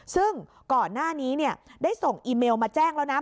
ซึ่งก่อนหน้านี้ได้ส่งอีเมลมาแจ้งแล้วนะ